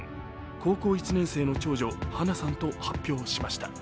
高校１年生の長女・華奈さんと発表しました。